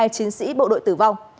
hai mươi hai chiến sĩ bộ đội tử vong